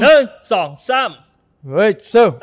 เฮ้ยซึ่ง